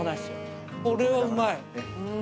これはうまい。